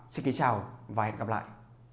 xin kính chào và hẹn gặp lại